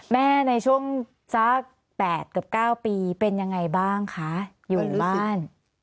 แม่ในช่วงปี๘๙ปีเป็นยังไงบ้างคะอยู่ที่บ้าน